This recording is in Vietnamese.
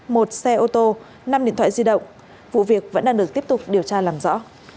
một xe ô tô năm điện thoại di động vụ việc vẫn đang được tiếp tục điều tra làm rõ